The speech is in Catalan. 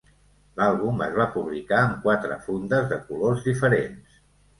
L'àlbum es va publicar amb quatre fundes de colors diferents.